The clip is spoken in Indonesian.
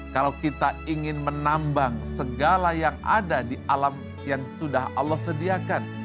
kalau kita ingin menambang segala yang ada di alam yang sudah allah sediakan